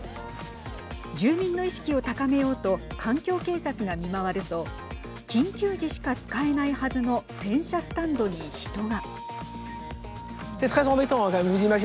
住民の意識を高めようと環境警察が見回ると緊急時しか使えないはずの洗車スタンドに人が。